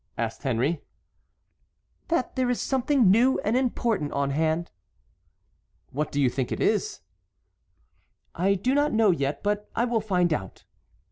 asked Henry. "That there is something new and important on hand." "What do you think it is?" "I do not know yet; but I will find out."